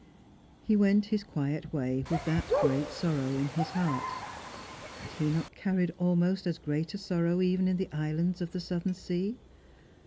He went his quiet way with that great sorrow in his heart. Had he not carried almost as great a sorrow even in the islands of the southern sea?